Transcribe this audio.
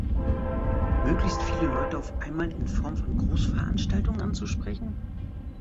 Möglichst viele Leute auf einmal in Form von Großveranstaltungen anzusprechen?